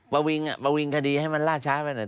ประวิงอ่ะประวิงคดีให้มันล่าช้าไปหน่อย